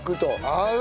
合う！